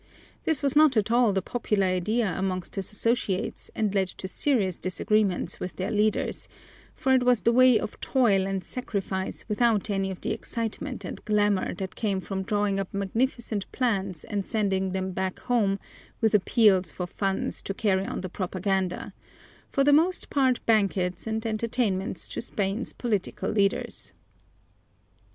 This was not at all the popular idea among his associates and led to serious disagreements with their leaders, for it was the way of toil and sacrifice without any of the excitement and glamour that came from drawing up magnificent plans and sending them back home with appeals for funds to carry on the propaganda for the most part banquets and entertainments to Spain's political leaders.